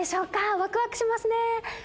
ワクワクしますね。